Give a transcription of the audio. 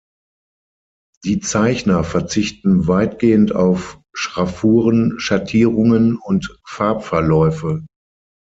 Die Zeichner verzichten weitgehend auf Schraffuren, Schattierungen und Farbverläufe.